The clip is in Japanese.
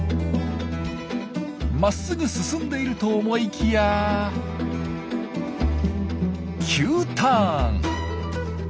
まっすぐ進んでいると思いきや急ターン。